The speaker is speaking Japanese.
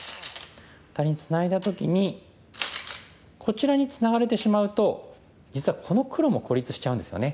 アタリにツナいだ時にこちらにツナがれてしまうと実はこの黒も孤立しちゃうんですよね。